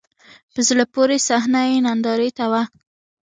په زړه پورې صحنه یې نندارې ته و.